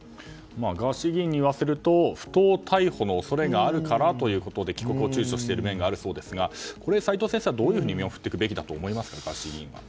ガーシー議員に言わせると不当逮捕の恐れがあるからということで帰国を躊躇している面があるそうですが齋藤先生はどう見るべきだと思いますか？